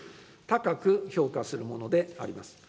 高く評価するものであります。